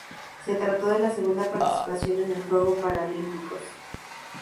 Se trató de la segunda participación en los Juegos Paralímpicos.